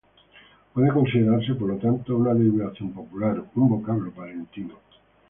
Puede considerase, por lo tanto, una derivación popular, un vocablo palentino.